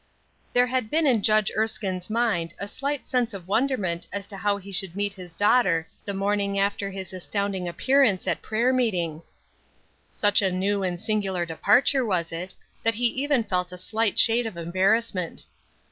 THERE had been in Judge Erskine's mind a slight sense of wonderment as to how he should meet his daughter the morning after his astounding appearance at prayer meeting. Such a new and singular departure was it, that he even felt a slight shade of embarrassment.